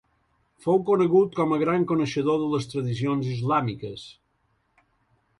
Fou conegut com a gran coneixedor de les tradicions islàmiques.